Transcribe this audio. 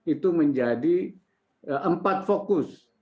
itu menjadi empat fokus